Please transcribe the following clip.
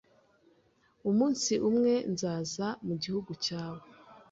Umunsi umwe nzaza mu gihugu cyawe.